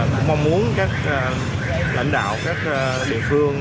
cũng mong muốn các lãnh đạo các địa phương